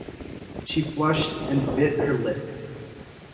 She flushed and bit her lip.